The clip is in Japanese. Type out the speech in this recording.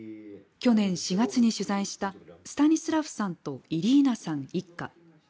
去年４月に取材したスタニスラフさんとイリーナさん一家。